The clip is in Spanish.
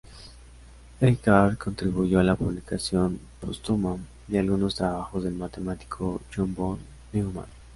Eckart Contribuyó a la publicación póstuma de algunos trabajos del matemático John von Neumann.